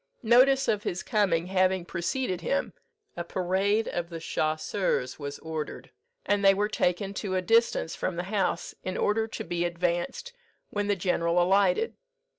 "Notice of his coming having preceded him, a parade of the chasseurs was ordered, and they were taken to a distance from the house, in order to be advanced when the general alighted.